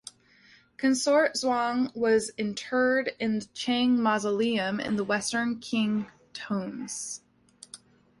Consort Zhuang was interred in the Chang Mausoleum in the Western Qing Tombs.